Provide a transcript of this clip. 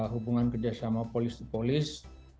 hubungan kerjasama polis polis